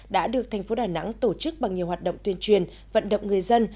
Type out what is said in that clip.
đã được thành phố đà nẵng tổ chức bằng nhiều hoạt động tuyên truyền vận động người dân